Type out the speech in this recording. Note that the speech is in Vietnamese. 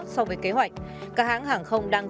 so với kế hoạch các hãng hàng không đang